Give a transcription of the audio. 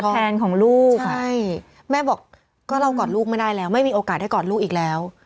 ใช่แม่บอกเรากอดลูกไม่ได้แล้วไม่มีโอกาสได้กอดลูกอีกแล้ว